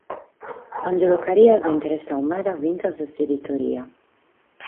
Angelo Caria s’est interessadu meda fintzas a s’editoria.